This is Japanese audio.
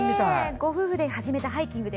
ご夫婦で始めたハイキングで。